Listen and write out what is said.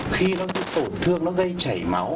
khi nó tổn thương nó gây chảy máu